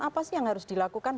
apa sih yang harus dilakukan